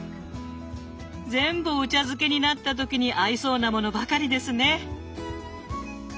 全部お茶漬けになった時に合いそうなものばかりですね。